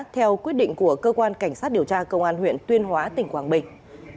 theo quyết định của cơ quan cảnh sát điều tra công an huyện tuyên hóa tỉnh quảng bình